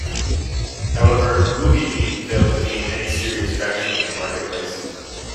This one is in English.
However, MovieBeam failed to gain any serious traction in the marketplace.